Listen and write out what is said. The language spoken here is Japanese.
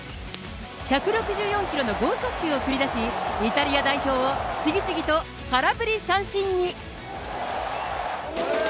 １６４キロの剛速球を繰り出し、イタリア代表を次々と空振り三振に。